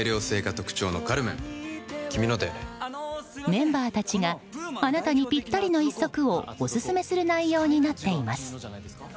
メンバーたちがあなたにぴったりの１足をオススメする内容になっています。